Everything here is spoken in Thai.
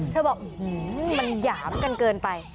เธอบอกมันหยามกันเกินไป